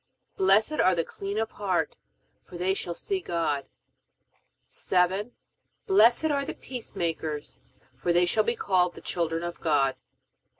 Blessed are the clean of heart, for they shall see God. 7. Blessed are the peacemakers, for they shall be called the children of God.